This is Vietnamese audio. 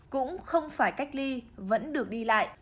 cũng không phải cách ly vẫn được đi lại